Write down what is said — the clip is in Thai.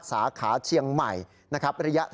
มาทำช่วงนี้ทำไปยัง